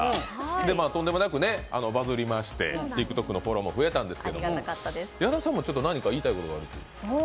で、とんでもなくバズりましてＴｉｋＴｏｋのフォローも増えたんですけど矢田さんも何か言いたいことがあるって？